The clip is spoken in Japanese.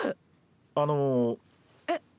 あのえっ？